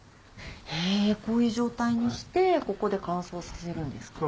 へぇこういう状態にしてここで乾燥させるんですか？